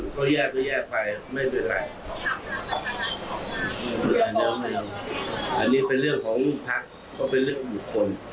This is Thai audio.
ก็เป็นเรื่องของบุคคล